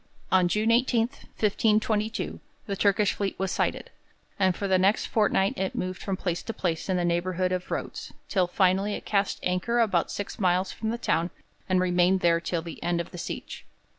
On June 18, 1522, the Turkish fleet was sighted, and for the next fortnight it moved from place to place in the neighbourhood of Rhodes, till it finally cast anchor about six miles from the town and remained there till the end of the siege.